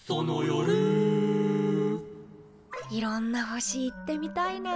いろんな星行ってみたいな。